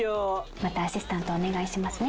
またアシスタントお願いしますね。